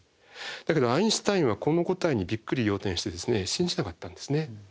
だけどアインシュタインはこの答えにびっくり仰天して信じなかったんですね。